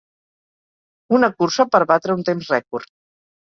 Una cursa per batre un temps rècord.